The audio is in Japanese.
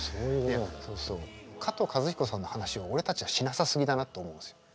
加藤和彦さんの話を俺たちはしなさ過ぎだなって思うんですよ。